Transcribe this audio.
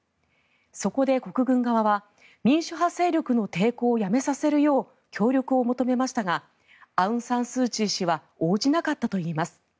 そこで国軍側は民主派勢力の抵抗をやめさせるよう協力を求めましたがアウンサンスーチー氏は応じなかったといいます。